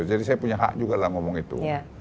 jadi saya punya hak juga lah ngomong itu